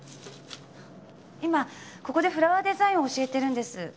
今ここでフラワーデザインを教えてるんです。